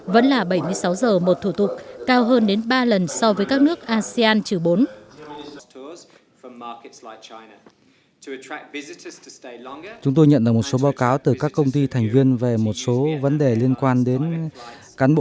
vẫn là bảy mươi sáu giờ một thủ tục